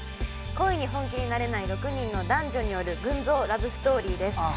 恋に本気になれない６人の男女による群像ラブストーリーです。